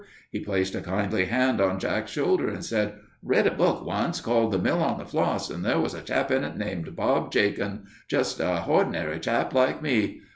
He placed a kindly hand on Jack's shoulder and said, "I read a book once called 'The Mill on the Floss,' and there was a chap in it named Bob Jakin just a hordinary chap like me.